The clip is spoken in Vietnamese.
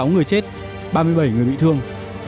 năm mươi sáu người chết ba mươi bảy người bị thương